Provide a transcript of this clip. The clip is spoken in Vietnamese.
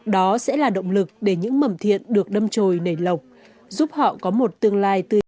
đó sẽ là động lực để những mầm thiện được đâm trồi nảy lọc giúp họ có một tương lai tươi đẹp